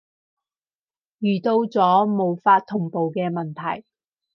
遇到咗無法同步嘅問題